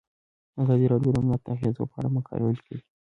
ازادي راډیو د امنیت د اغیزو په اړه مقالو لیکلي.